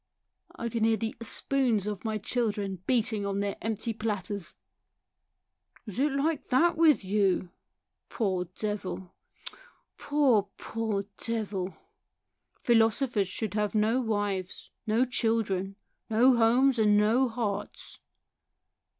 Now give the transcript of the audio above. " I can hear the spoons 01 my children beating on their empty platters !"" Is it like that with you ? Poor devil ! Oh, poor, poor devil ! Philosophers should have no wives, no children, no homes, and no hearts."